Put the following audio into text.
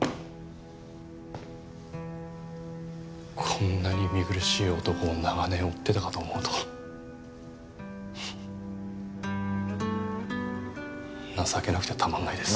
こんなに見苦しい男を長年追っていたかと思うとフッ情けなくてたまらないです。